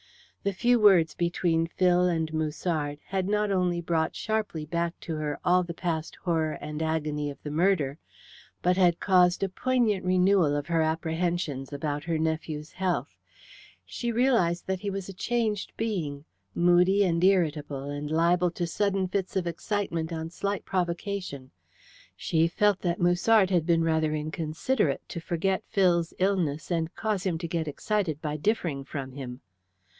The few words between Phil and Musard had not only brought sharply back to her all the past horror and agony of the murder, but had caused a poignant renewal of her apprehensions about her nephew's health. She realized that he was a changed being, moody and irritable, and liable to sudden fits of excitement on slight provocation. She felt that Musard had been rather inconsiderate to forget Phil's illness and cause him to get excited by differing from him.